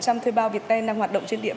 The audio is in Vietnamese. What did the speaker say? cho một trăm linh thuê bao việt tên